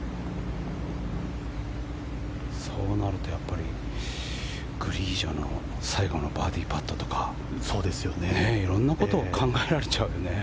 そうなるとやっぱりグリージョの最後のバーディーパットとか色んなことを考えられちゃうよね。